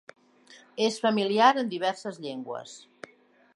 És familiar en diverses llengües.